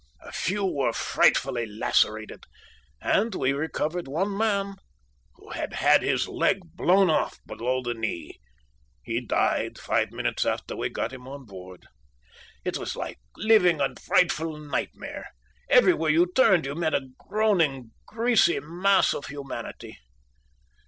A few were frightfully lacerated, and we recovered one man who had had his leg blown off below the knee he died five minutes after we got him on board. It was like living a frightful nightmare. Everywhere you turned you met a groaning, greasy mass of humanity.